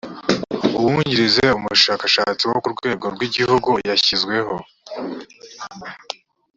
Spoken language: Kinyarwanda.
uwungirije umushakashatsi wo ku rwego rw’igihugu yashyizweho